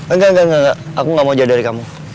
engga engga engga aku gak mau jauh dari kamu